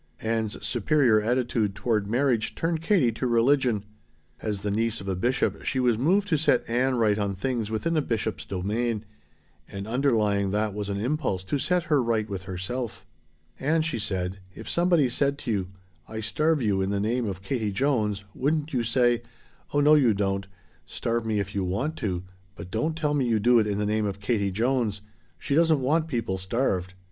Ann's superior attitude toward marriage turned Katie to religion. As the niece of a bishop she was moved to set Ann right on things within a bishop's domain. And underlying that was an impulse to set her right with herself. "Ann," she said, "if somebody said to you, 'I starve you in the name of Katie Jones,' wouldn't you say, 'Oh no you don't. Starve me if you want to, but don't tell me you do it in the name of Katie Jones. She doesn't want people starved!'"